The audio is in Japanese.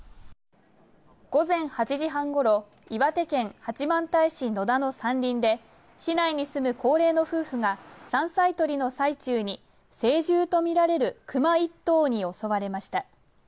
午前８時半ごろ岩手県八幡平市野駄の山林で市内に住む高齢の夫婦が山菜採りの最中に成獣とみられる熊１頭に襲われました。